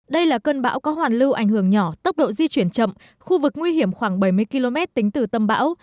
đây là cơn bão có hoàn lưu ảnh hưởng nhỏ tốc độ di chuyển chậm khu vực nguy hiểm khoảng bảy mươi km tính từ tâm bão